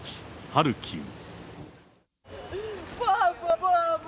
ハルキウ。